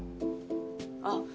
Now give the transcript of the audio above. あっ